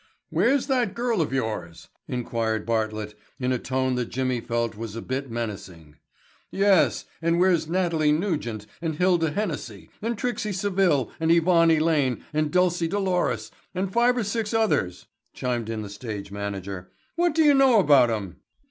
"Where's that girl of yours?" inquired Bartlett in a tone that Jimmy felt was a bit menacing. "Yes, and where's Natalie Nugent and Hilda Hennessey and Trixie Seville and Yvonne Elaine and Dulcie Dolores and five or six others," chimed in the stage manager. "What do you know about 'em?"